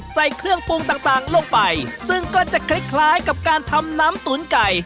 ใส่เครื่องปรุงต่างลงไปซึ่งก็จะคล้ายคล้ายกับการทำน้ำตุ๋นไก่